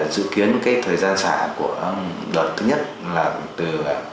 dự kiến cái thời gian xả của đợt thứ nhất là từ